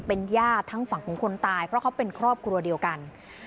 เป็นญาติทั้งฝั่งของคนตายเพราะเขาเป็นครอบครัวเดียวกัน